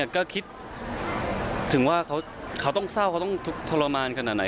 ก็คิดถึงว่าเขาต้องเศร้าเขาต้องทรมานขนาดไหน